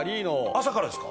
「朝からですか？」